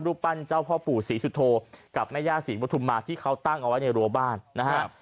ปั้นเจ้าพ่อปู่ศรีสุโธกับแม่ย่าศรีปฐุมมาที่เขาตั้งเอาไว้ในรั้วบ้านนะครับ